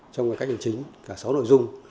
trong các hình chính cả sáu nội dung